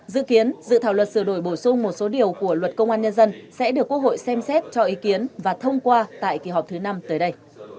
dự kiến dự thảo luật sửa đổi bổ sung một số điều của luật công an nhân dân sẽ được quốc hội xem xét cho ý kiến và thông qua tại kỳ họp thứ năm tới đây